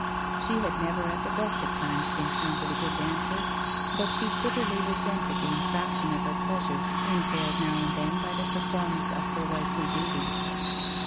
She had never at the best of times been counted a good dancer, but she bitterly resented the in fraction of her pleasures entailed now and then by the performance of her wifely duties.